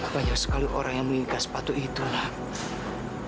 banyak sekali orang yang menginginkan sepatu itu nan